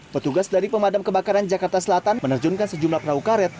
petugas dari pemadam kebakaran jakarta selatan menerjunkan sejumlah perahu karet